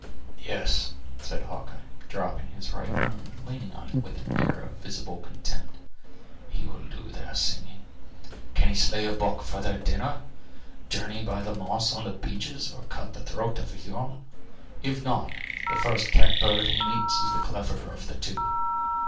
"Yes," said Hawkeye, dropping his rifle, and leaning on it with an air of visible contempt, "he will do their singing. Can he slay a buck for their dinner; journey by the moss on the beeches, or cut the throat of a Huron? If not, the first catbird he meets is the cleverer of the two.